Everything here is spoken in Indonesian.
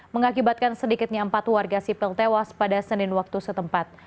mengakibatkan sedikitnya empat warga sipil tewas pada senin waktu setempat